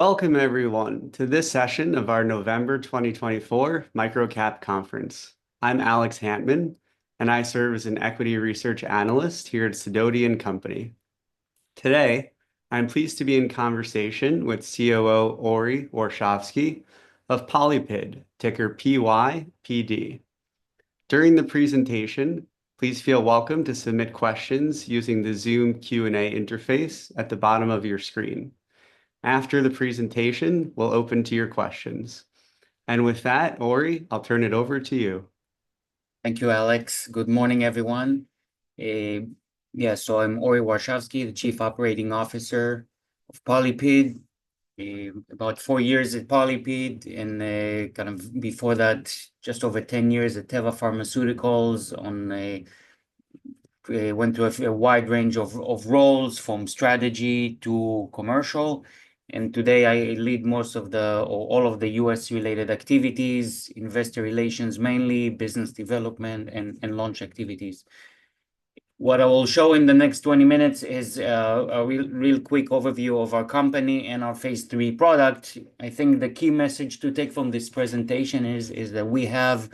Welcome, everyone, to this session of our November 2024 MicroCap Conference. I'm Alex Hantman, and I serve as an equity research analyst here at Sidoti & Company. Today, I'm pleased to be in conversation with COO Ori Warshavsky of PolyPid, ticker PYPD. During the presentation, please feel welcome to submit questions using the Zoom Q&A interface at the bottom of your screen. After the presentation, we'll open to your questions. And with that, Ori, I'll turn it over to you. Thank you, Alex. Good morning, everyone. Yeah, so I'm Ori Warshavsky, the Chief Operating Officer of PolyPid. About four years at PolyPid, and kind of before that, just over 10 years at Teva Pharmaceuticals, and I went through a wide range of roles, from strategy to commercial, and today, I lead most of all of the U.S.-related activities, investor relations mainly, business development, and launch activities. What I will show in the next 20 minutes is a real quick overview of our company and our phase III product. I think the key message to take from this presentation is that we have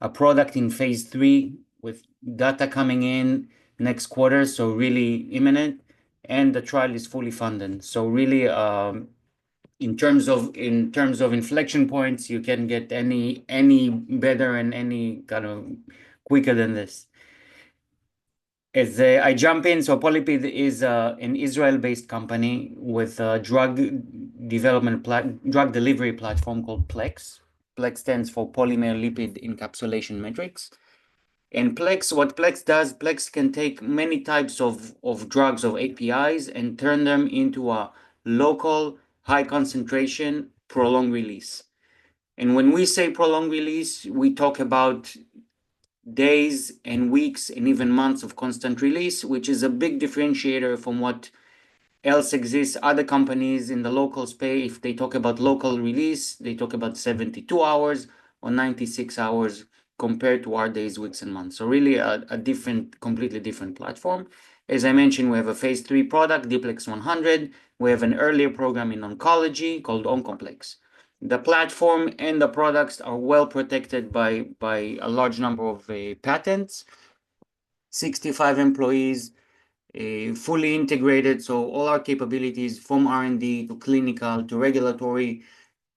a product in phase III with data coming in next quarter, so really imminent, and the trial is fully funded, so really, in terms of inflection points, you can't get any better and any kind of quicker than this. As I jump in, so PolyPid is an Israel-based company with a drug development drug delivery platform called PLEX. PLEX stands for Polymer-Lipid Encapsulation matriX. And PLEX, what PLEX does, PLEX can take many types of drugs, of APIs, and turn them into a local, high-concentration, prolonged release. And when we say prolonged release, we talk about days and weeks and even months of constant release, which is a big differentiator from what else exists. Other companies in the local space, if they talk about local release, they talk about 72 hours or 96 hours compared to our days, weeks, and months. So really a different, completely different platform. As I mentioned, we have a phase III product, D-PLEX 100. We have an earlier program in oncology called OncoPLEX. The platform and the products are well protected by a large number of patents. 65 employees, fully integrated. All our capabilities, from R&D to clinical to regulatory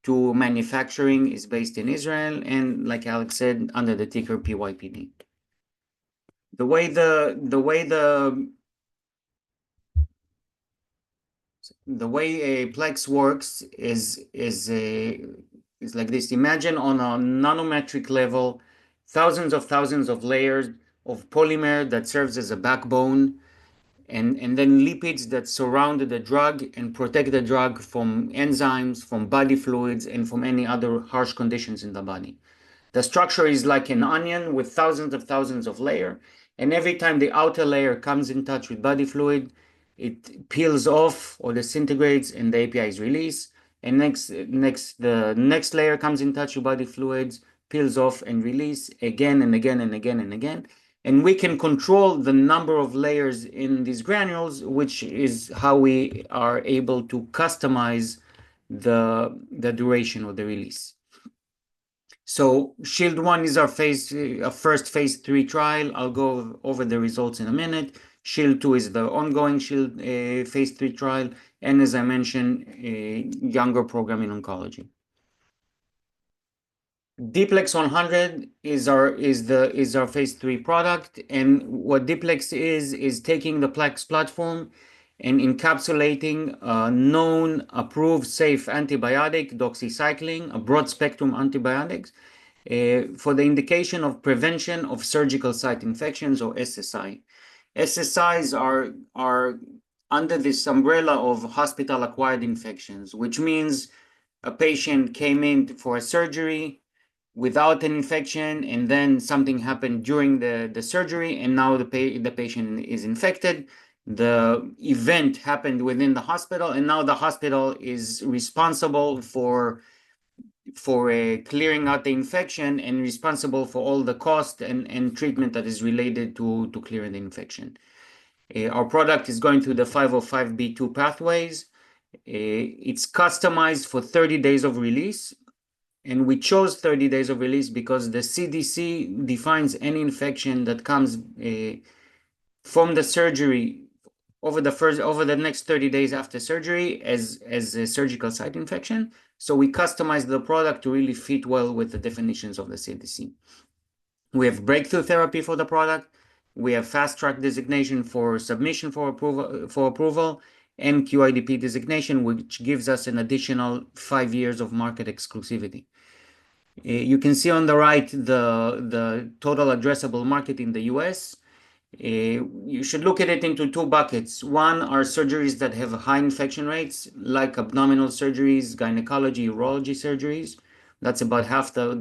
to manufacturing, is based in Israel. And like Alex said, under the ticker PYPD. The way the PLEX works is like this. Imagine on a nanometric level, thousands of thousands of layers of polymer that serves as a backbone, and then lipids that surround the drug and protect the drug from enzymes, from body fluids, and from any other harsh conditions in the body. The structure is like an onion with thousands of thousands of layers. And every time the outer layer comes in touch with body fluid, it peels off or disintegrates, and the API is released. And next, the next layer comes in touch with body fluids, peels off and releases again and again and again and again. And we can control the number of layers in these granules, which is how we are able to customize the duration of the release. So SHIELD I is our first phase III trial. I'll go over the results in a minute. SHIELD II is the ongoing phase III trial. And as I mentioned, a younger program in oncology. D-PLEX 100 is our phase III product. And what D-PLEX is, is taking the PLEX platform and encapsulating a known approved safe antibiotic, doxycycline, a broad-spectrum antibiotic for the indication of prevention of surgical site infections or SSI. SSIs are under this umbrella of hospital-acquired infections, which means a patient came in for a surgery without an infection, and then something happened during the surgery, and now the patient is infected. The event happened within the hospital, and now the hospital is responsible for clearing out the infection and responsible for all the cost and treatment that is related to clearing the infection. Our product is going through the 505(b)(2) pathways. It's customized for 30 days of release, and we chose 30 days of release because the CDC defines any infection that comes from the surgery over the next 30 days after surgery as a surgical site infection, so we customize the product to really fit well with the definitions of the CDC. We have Breakthrough Therapy for the product. We have Fast Track Designation for submission for approval and QIDP designation, which gives us an additional five years of market exclusivity. You can see on the right the total addressable market in the U.S. You should look at it into two buckets. One are surgeries that have high infection rates, like abdominal surgeries, gynecology, urology surgeries. That's about half the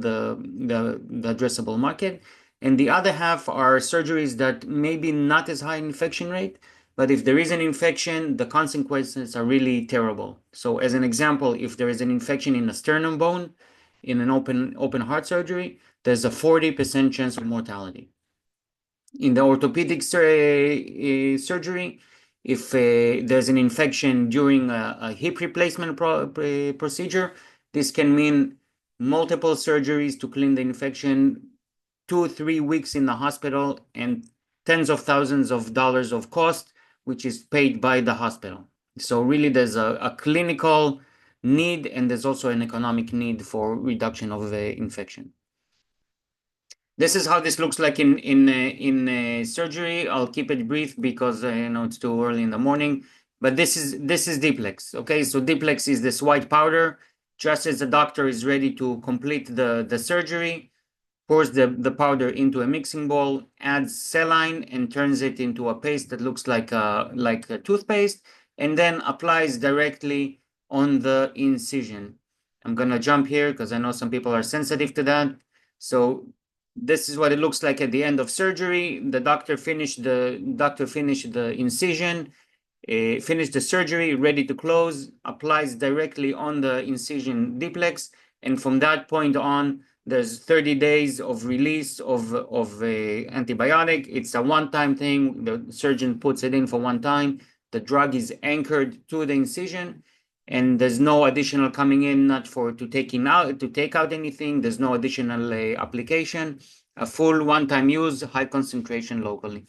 addressable market. And the other half are surgeries that may be not as high infection rate, but if there is an infection, the consequences are really terrible. So as an example, if there is an infection in a sternum bone in an open heart surgery, there's a 40% chance of mortality. In the orthopedic surgery, if there's an infection during a hip replacement procedure, this can mean multiple surgeries to clean the infection, two, three weeks in the hospital, and tens of thousands of dollars of cost, which is paid by the hospital. So really, there's a clinical need, and there's also an economic need for reduction of the infection. This is how this looks like in surgery. I'll keep it brief because I know it's too early in the morning. But this is D-PLEX. Okay? So D-PLEX is this white powder. Just as the doctor is ready to complete the surgery, pours the powder into a mixing bowl, adds saline, and turns it into a paste that looks like a toothpaste, and then applies directly on the incision. I'm going to jump here because I know some people are sensitive to that. So this is what it looks like at the end of surgery. The doctor finished the incision, finished the surgery, ready to close, applies directly on the incision, D-PLEX. And from that point on, there's 30 days of release of antibiotic. It's a one-time thing. The surgeon puts it in for one time. The drug is anchored to the incision, and there's no additional coming in, not for to take out anything. There's no additional application. A full one-time use, high concentration locally.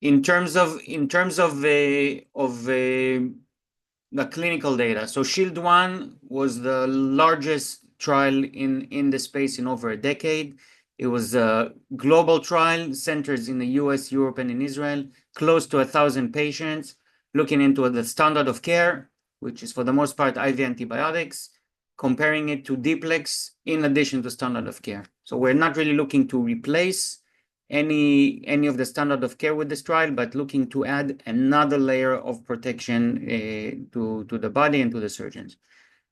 In terms of the clinical data, so SHIELD I was the largest trial in the space in over a decade. It was a global trial, centers in the U.S., Europe, and in Israel, close to 1,000 patients looking into the standard of care, which is for the most part IV antibiotics, comparing it to D-PLEX in addition to standard of care. So we're not really looking to replace any of the standard of care with this trial, but looking to add another layer of protection to the body and to the surgeons.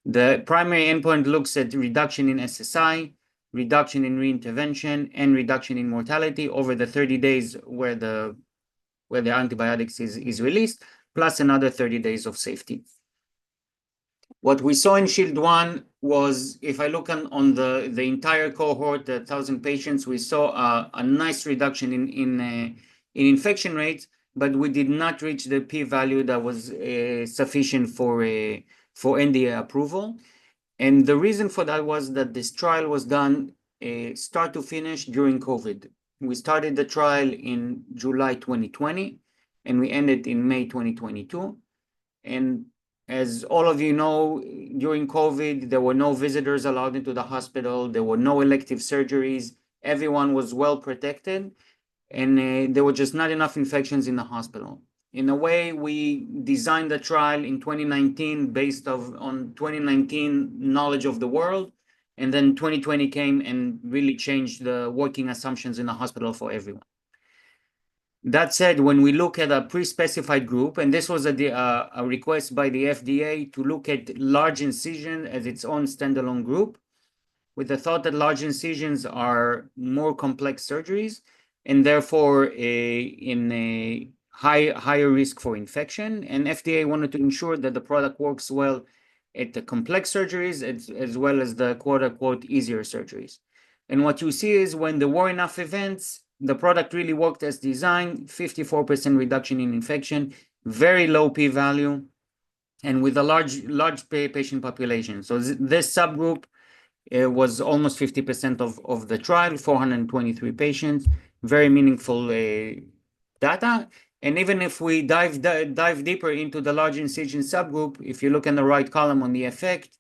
The primary endpoint looks at reduction in SSI, reduction in reintervention, and reduction in mortality over the 30 days where the antibiotics is released, plus another 30 days of safety. What we saw in SHIELD I was, if I look on the entire cohort, the 1,000 patients, we saw a nice reduction in infection rates, but we did not reach the P-value that was sufficient for NDA approval, and the reason for that was that this trial was done start to finish during COVID. We started the trial in July 2020, and we ended in May 2022, and as all of you know, during COVID, there were no visitors allowed into the hospital. There were no elective surgeries. Everyone was well protected, and there were just not enough infections in the hospital. In a way, we designed the trial in 2019 based on 2019 knowledge of the world, and then 2020 came and really changed the working assumptions in the hospital for everyone. That said, when we look at a pre-specified group, and this was a request by the FDA to look at large incision as its own standalone group, with the thought that large incisions are more complex surgeries and therefore in a higher risk for infection. And FDA wanted to ensure that the product works well at the complex surgeries as well as the "easier" surgeries. And what you see is when there were enough events, the product really worked as designed, 54% reduction in infection, very low P-value, and with a large patient population. So this subgroup was almost 50% of the trial, 423 patients, very meaningful data. And even if we dive deeper into the large incision subgroup, if you look in the right column on the effect,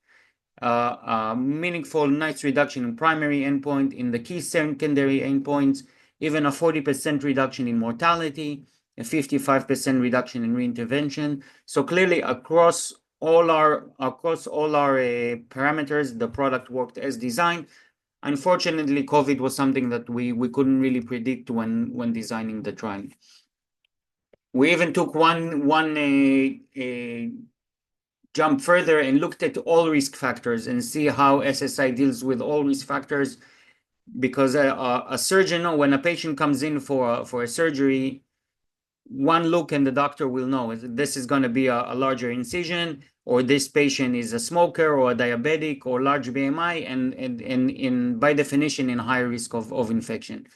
meaningful nice reduction in primary endpoint, in the key secondary endpoints, even a 40% reduction in mortality, a 55% reduction in reintervention. So clearly, across all our parameters, the product worked as designed. Unfortunately, COVID was something that we couldn't really predict when designing the trial. We even took one jump further and looked at all risk factors and see how SSI deals with all risk factors. Because a surgeon, when a patient comes in for a surgery, one look and the doctor will know this is going to be a larger incision, or this patient is a smoker or a diabetic or large BMI, and by definition, in high risk of infection.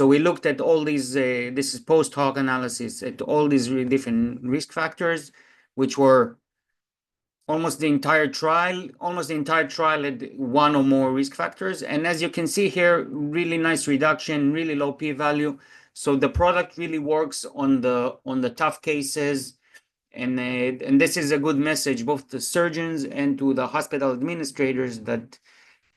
We looked at all these, this is post-hoc analyses, at all these different risk factors, which were almost the entire trial, almost the entire trial at one or more risk factors. And as you can see here, really nice reduction, really low P-value. The product really works on the tough cases. This is a good message, both to surgeons and to the hospital administrators, that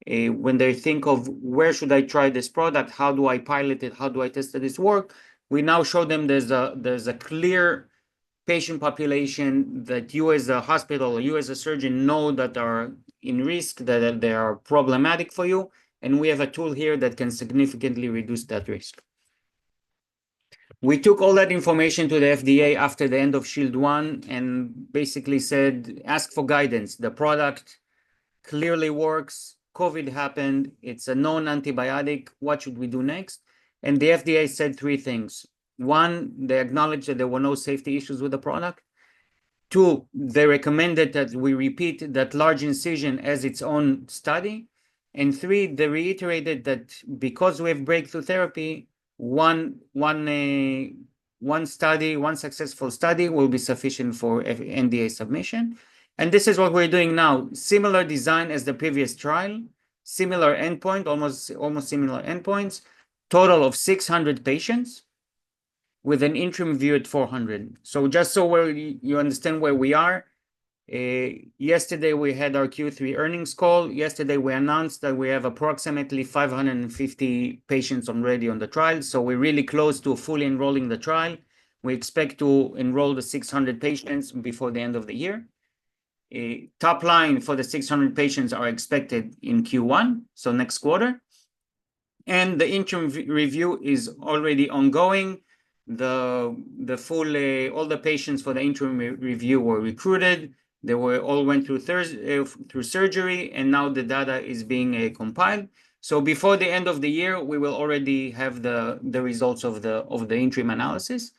when they think of, "Where should I try this product? How do I pilot it? How do I test that this works?" We now show them there's a clear patient population that you as a hospital, you as a surgeon know that are in risk, that they are problematic for you. We have a tool here that can significantly reduce that risk. We took all that information to the FDA after the end of SHIELD I and basically said, "Ask for guidance. The product clearly works. COVID happened. It's a known antibiotic. What should we do next?", and the FDA said three things. One, they acknowledged that there were no safety issues with the product. Two, they recommended that we repeat that large incision as its own study. And three, they reiterated that because we have Breakthrough Therapy, one study, one successful study will be sufficient for NDA submission, and this is what we're doing now. Similar design as the previous trial, similar endpoint, almost similar endpoints, total of 600 patients with an interim view at 400. so just so you understand where we are, yesterday we had our Q3 earnings call. Yesterday, we announced that we have approximately 550 patients already on the trial. so we're really close to fully enrolling the trial. We expect to enroll the 600 patients before the end of the year. Top line for the 600 patients are expected in Q1, so next quarter. And the interim review is already ongoing. All the patients for the interim review were recruited. They all went through surgery, and now the data is being compiled. So before the end of the year, we will already have the results of the interim analysis.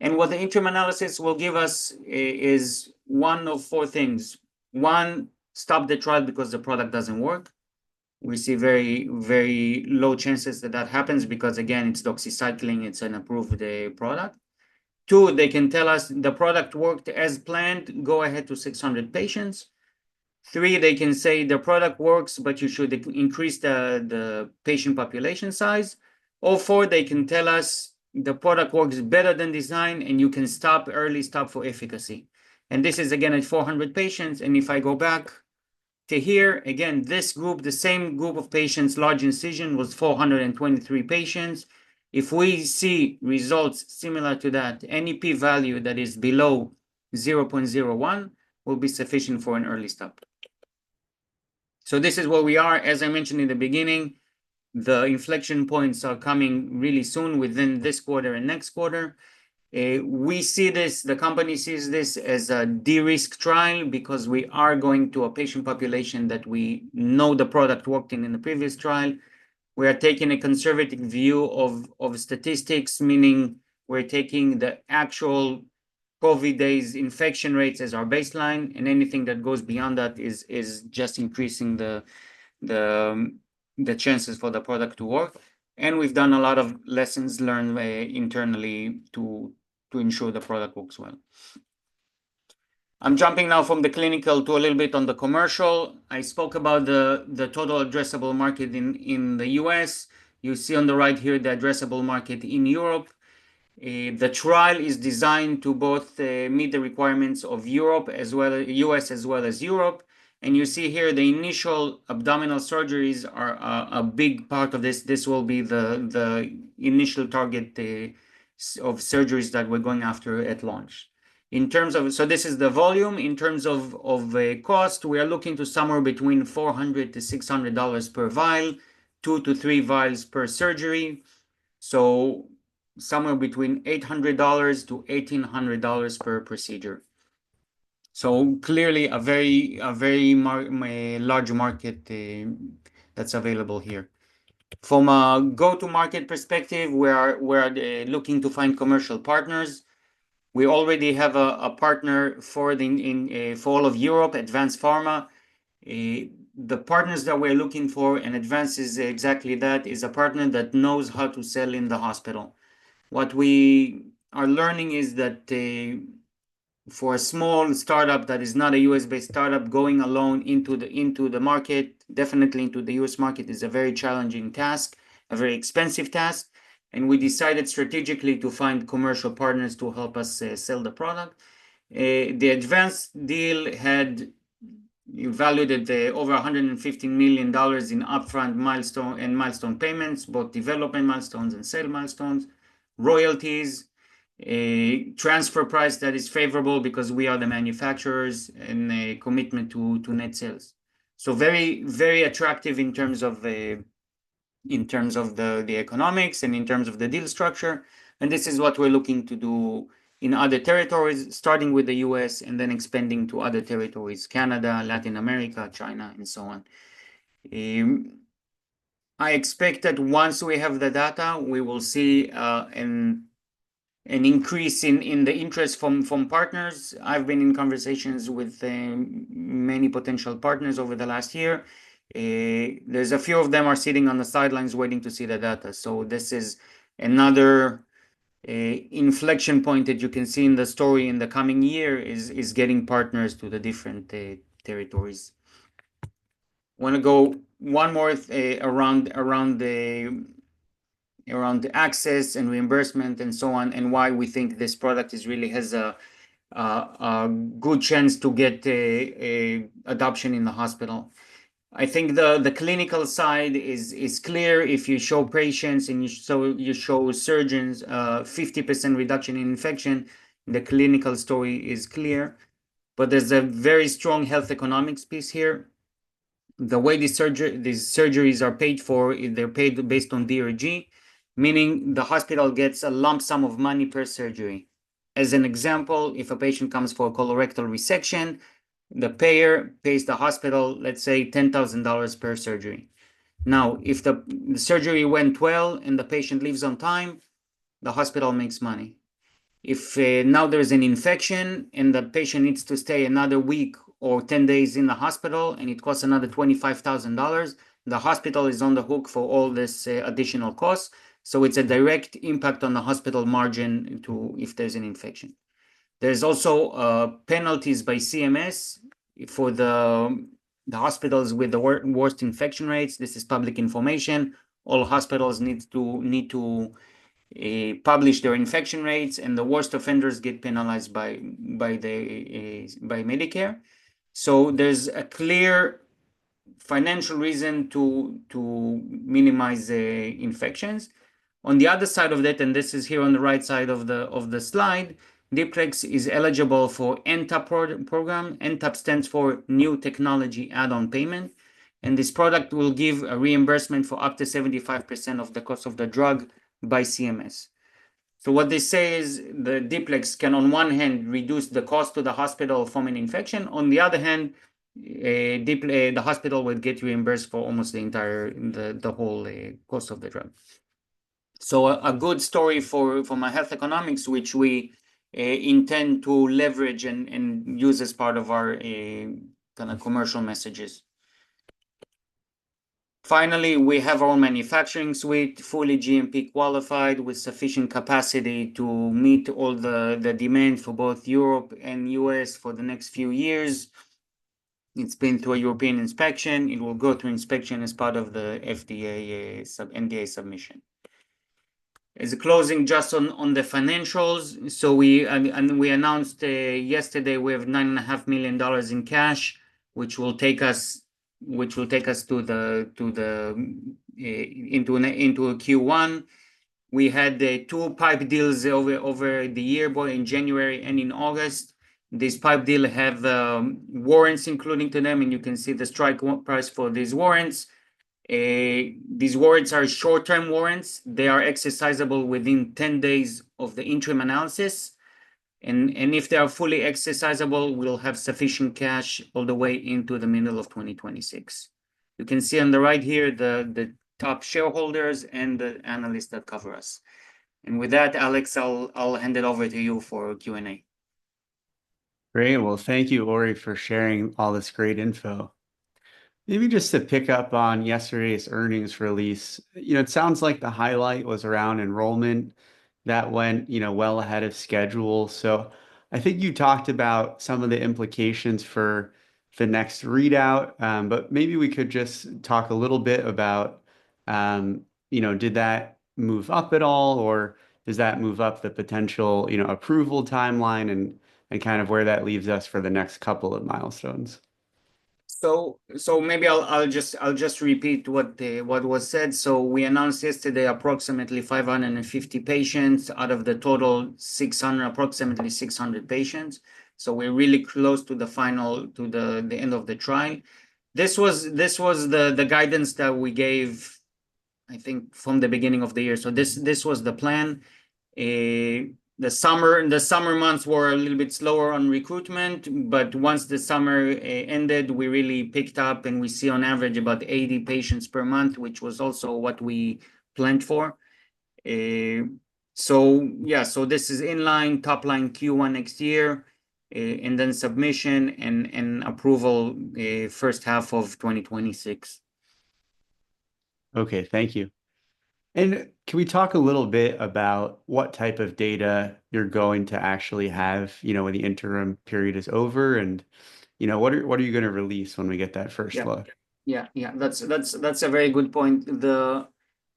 And what the interim analysis will give us is one of four things. One, stop the trial because the product doesn't work. We see very, very low chances that that happens because, again, it's doxycycline. It's an approved product. Two, they can tell us the product worked as planned. Go ahead to 600 patients. Three, they can say the product works, but you should increase the patient population size. Or four, they can tell us the product works better than design, and you can stop early, stop for efficacy. This is, again, at 400 patients. If I go back to here, again, this group, the same group of patients, large incision was 423 patients. If we see results similar to that, any P-value that is below 0.01 will be sufficient for an early stop. This is where we are. As I mentioned in the beginning, the inflection points are coming really soon within this quarter and next quarter. We see this. The company sees this as a de-risk trial because we are going to a patient population that we know the product worked in in the previous trial. We are taking a conservative view of statistics, meaning we're taking the actual COVID days infection rates as our baseline, and anything that goes beyond that is just increasing the chances for the product to work. We've done a lot of lessons learned internally to ensure the product works well. I'm jumping now from the clinical to a little bit on the commercial. I spoke about the total addressable market in the U.S. You see on the right here the addressable market in Europe. The trial is designed to both meet the requirements of U.S. as well as Europe. You see here the initial abdominal surgeries are a big part of this. This will be the initial target of surgeries that we're going after at launch. So this is the volume. In terms of cost, we are looking to somewhere between $400-$600 per vial, two to three vials per surgery, so somewhere between $800-$1,800 per procedure. So clearly, a very large market that's available here. From a go-to-market perspective, we are looking to find commercial partners. We already have a partner for all of Europe, Advanz Pharma. The partners that we're looking for, and Advanz is exactly that, is a partner that knows how to sell in the hospital. What we are learning is that for a small startup that is not a U.S.-based startup going alone into the market, definitely into the U.S. market, is a very challenging task, a very expensive task. And we decided strategically to find commercial partners to help us sell the product. The Advanz deal had evaluated over $150 million in upfront and milestone payments, both development milestones and sale milestones, royalties, transfer price that is favorable because we are the manufacturers, and a commitment to net sales. So very attractive in terms of the economics and in terms of the deal structure. And this is what we're looking to do in other territories, starting with the U.S. And then expanding to other territories: Canada, Latin America, China, and so on. I expect that once we have the data, we will see an increase in the interest from partners. I've been in conversations with many potential partners over the last year. There's a few of them sitting on the sidelines waiting to see the data. So this is another inflection point that you can see in the story in the coming year is getting partners to the different territories. I want to go one more around the access and reimbursement and so on, and why we think this product really has a good chance to get adoption in the hospital. I think the clinical side is clear. If you show patients and you show surgeons a 50% reduction in infection, the clinical story is clear. But there's a very strong health economics piece here. The way these surgeries are paid for, they're paid based on DRG, meaning the hospital gets a lump sum of money per surgery. As an example, if a patient comes for a colorectal resection, the payer pays the hospital, let's say, $10,000 per surgery. Now, if the surgery went well and the patient leaves on time, the hospital makes money. If now there is an infection and the patient needs to stay another week or 10 days in the hospital and it costs another $25,000, the hospital is on the hook for all this additional cost. So it's a direct impact on the hospital margin if there's an infection. There's also penalties by CMS for the hospitals with the worst infection rates. This is public information. All hospitals need to publish their infection rates, and the worst offenders get penalized by Medicare. There's a clear financial reason to minimize infections. On the other side of that, and this is here on the right side of the slide, D-PLEX is eligible for NTAP program. NTAP stands for New Technology Add-on Payment. And this product will give a reimbursement for up to 75% of the cost of the drug by CMS. So what they say is the D-PLEX can, on one hand, reduce the cost to the hospital from an infection. On the other hand, the hospital would get reimbursed for almost the entire, the whole cost of the drug. So a good story for my health economics, which we intend to leverage and use as part of our kind of commercial messages. Finally, we have our manufacturing suite, fully GMP qualified with sufficient capacity to meet all the demand for both Europe and U.S. for the next few years. It's been through a European inspection. It will go to inspection as part of the FDA NDA submission. As a closing, just on the financials, so we announced yesterday we have $9.5 million in cash, which will take us into a Q1. We had two PIPE deals over the year, both in January and in August. These PIPE deals have warrants included to them, and you can see the strike price for these warrants. These warrants are short-term warrants. They are exercisable within 10 days of the interim analysis. And if they are fully exercisable, we'll have sufficient cash all the way into the middle of 2026. You can see on the right here the top shareholders and the analysts that cover us. And with that, Alex, I'll hand it over to you for Q&A. Great. Well, thank you, Ori, for sharing all this great info. Maybe just to pick up on yesterday's earnings release. It sounds like the highlight was around enrollment that went well ahead of schedule. So I think you talked about some of the implications for the next readout, but maybe we could just talk a little bit about, did that move up at all, or does that move up the potential approval timeline and kind of where that leaves us for the next couple of milestones? So maybe I'll just repeat what was said. So we announced yesterday approximately 550 patients out of the total 600, approximately 600 patients. So we're really close to the final, to the end of the trial. This was the guidance that we gave, I think, from the beginning of the year. So this was the plan. The summer months were a little bit slower on recruitment, but once the summer ended, we really picked up, and we see on average about 80 patients per month, which was also what we planned for. So yeah, so this is in line, top line Q1 next year, and then submission and approval first half of 2026. Okay. Thank you. And can we talk a little bit about what type of data you're going to actually have when the interim period is over, and what are you going to release when we get that first look? Yeah, yeah, yeah. That's a very good point.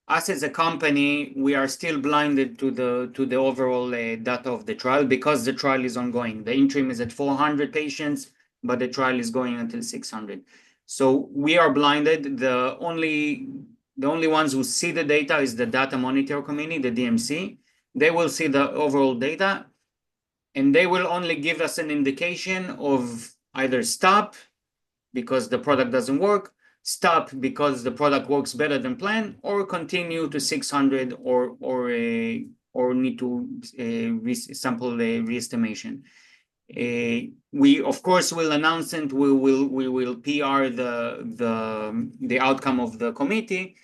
Us as a company, we are still blinded to the overall data of the trial because the trial is ongoing. The interim is at 400 patients, but the trial is going until 600. So we are blinded. The only ones who see the data is the Data Monitoring Committee, the DMC. They will see the overall data, and they will only give us an indication of either stop because the product doesn't work, stop because the product works better than planned, or continue to 600 or need to sample the re-estimation. We, of course, will announce it. We will PR the outcome of the committee,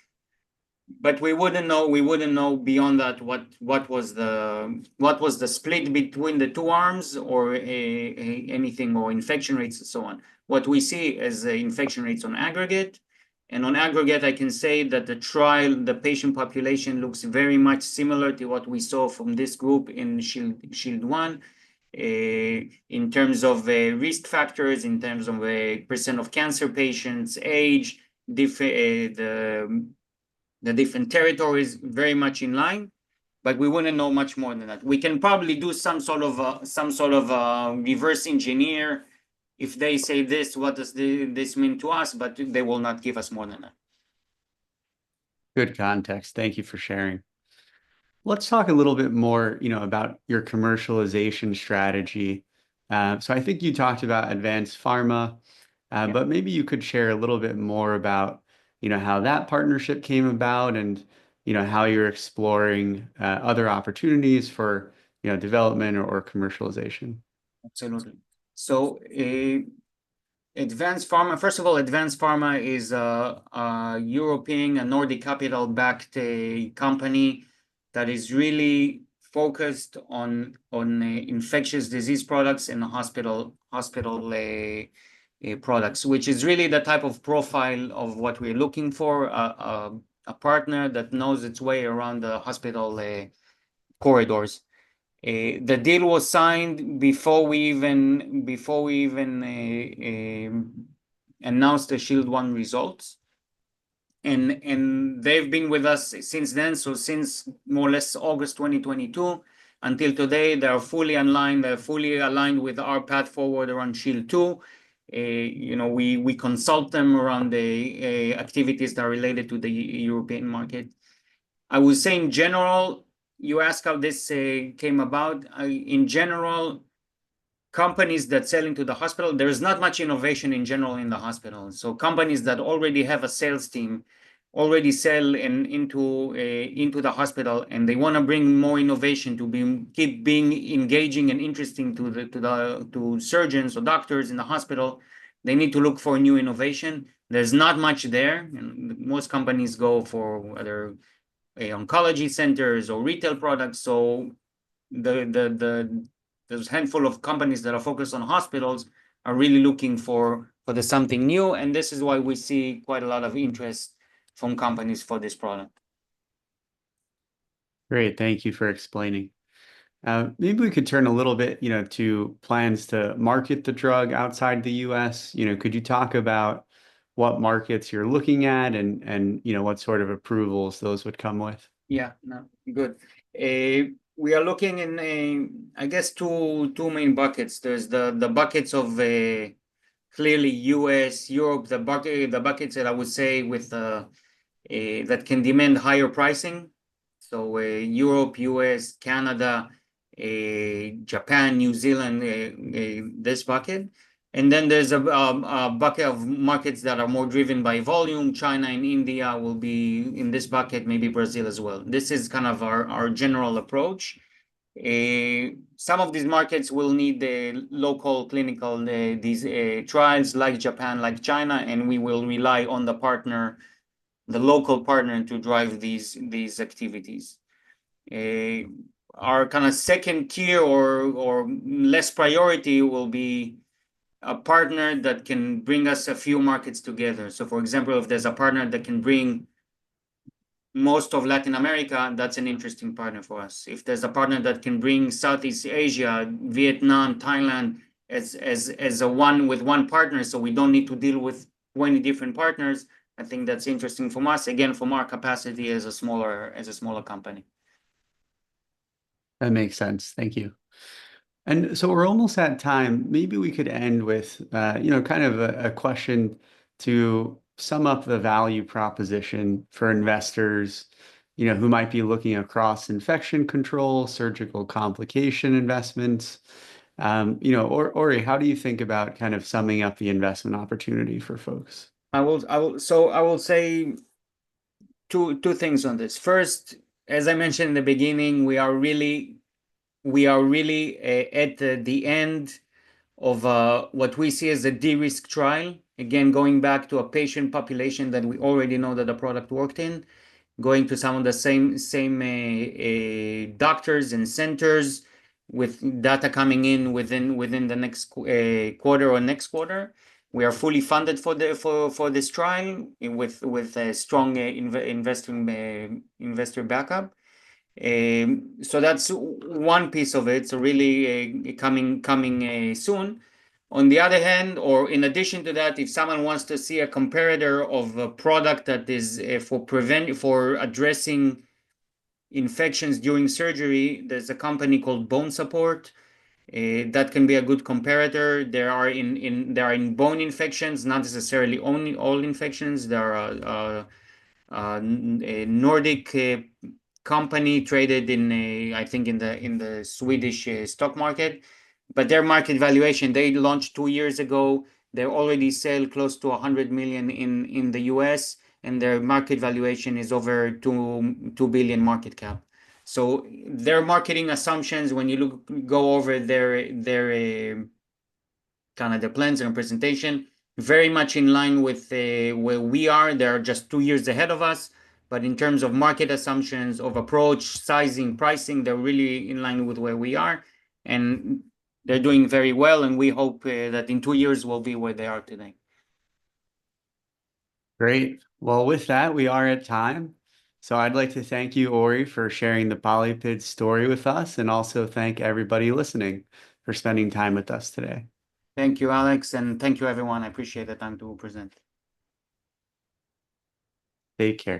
but we wouldn't know beyond that what was the split between the two arms or anything or infection rates and so on. What we see is infection rates on aggregate, and on aggregate, I can say that the trial, the patient population looks very much similar to what we saw from this group in SHIELD I in terms of risk factors, in terms of percent of cancer patients, age, the different territories very much in line. But we wouldn't know much more than that. We can probably do some sort of reverse engineer if they say, "This, what does this mean to us?" But they will not give us more than that. Good context. Thank you for sharing. Let's talk a little bit more about your commercialization strategy. So I think you talked about Advanz Pharma, but maybe you could share a little bit more about how that partnership came about and how you're exploring other opportunities for development or commercialization. So Advanz Pharma, first of all, Advanz Pharma is a European and Nordic Capital-backed company that is really focused on infectious disease products and hospital products, which is really the type of profile of what we're looking for, a partner that knows its way around the hospital corridors. The deal was signed before we even announced the SHIELD I results. They've been with us since then, so since more or less August 2022 until today. They are fully in line. They're fully aligned with our path forward around SHIELD II. We consult them around the activities that are related to the European market. I would say in general, you ask how this came about. In general, companies that sell into the hospital, there is not much innovation in general in the hospital. So companies that already have a sales team already sell into the hospital, and they want to bring more innovation to keep being engaging and interesting to surgeons or doctors in the hospital, they need to look for new innovation. There's not much there. Most companies go for other oncology centers or retail products. So there's a handful of companies that are focused on hospitals are really looking for something new. This is why we see quite a lot of interest from companies for this product. Great. Thank you for explaining. Maybe we could turn a little bit to plans to market the drug outside the U.S. Could you talk about what markets you're looking at and what sort of approvals those would come with? Yeah. No. Good. We are looking in, I guess, two main buckets. There's the buckets of clearly U.S., Europe, the buckets that I would say that can demand higher pricing. So Europe, U.S., Canada, Japan, New Zealand, this bucket. And then there's a bucket of markets that are more driven by volume. China and India will be in this bucket, maybe Brazil as well. This is kind of our general approach. Some of these markets will need the local clinical trials like Japan, like China, and we will rely on the local partner to drive these activities. Our kind of second tier or less priority will be a partner that can bring us a few markets together. So for example, if there's a partner that can bring most of Latin America, that's an interesting partner for us. If there's a partner that can bring Southeast Asia, Vietnam, Thailand as one with one partner, so we don't need to deal with 20 different partners, I think that's interesting from us, again, from our capacity as a smaller company. That makes sense. Thank you. And so we're almost at time. Maybe we could end with kind of a question to sum up the value proposition for investors who might be looking across infection control, surgical complication investments. Ori, how do you think about kind of summing up the investment opportunity for folks? So I will say two things on this. First, as I mentioned in the beginning, we are really at the end of what we see as a de-risk trial, again, going back to a patient population that we already know that the product worked in, going to some of the same doctors and centers with data coming in within the next quarter or next quarter. We are fully funded for this trial with a strong investor backup. So that's one piece of it. It's really coming soon. On the other hand, or in addition to that, if someone wants to see a comparator of a product that is for addressing infections during surgery, there's a company called BoneSupport that can be a good comparator. They are in bone infections, not necessarily all infections. There are a Nordic company traded in, I think, in the Swedish stock market. But their market valuation, they launched two years ago. They already sell close to $100 million in the U.S., and their market valuation is over $2 billion market cap. So their marketing assumptions, when you go over their kind of the plans and presentation, very much in line with where we are. They are just two years ahead of us. But in terms of market assumptions of approach, sizing, pricing, they're really in line with where we are. And they're doing very well, and we hope that in two years, we'll be where they are today. Great. Well, with that, we are at time. So I'd like to thank you, Ori, for sharing the PolyPid story with us, and also thank everybody listening for spending time with us today. Thank you, Alex, and thank you, everyone. I appreciate the time to present. Take care.